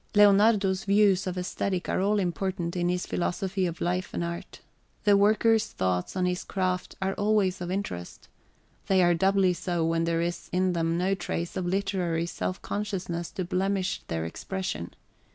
Leonardo's views of aesthetic are all important in his philosophy of life and art. The worker's thoughts on his craft are always of interest. They are doubly so when there is in them no trace of literary self consciousness to blemish their expression.